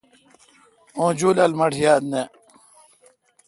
اوں جولال مہ ٹھ یاد نہ۔